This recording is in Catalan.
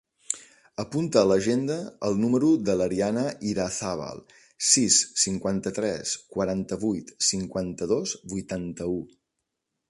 Apunta a l'agenda el número de l'Ariana Irazabal: sis, cinquanta-tres, quaranta-vuit, cinquanta-dos, vuitanta-u.